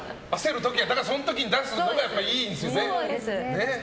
その時に出すのがいいんですよね。